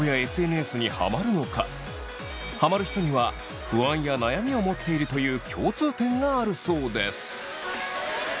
ハマる人には不安や悩みを持っているという共通点があるそうです。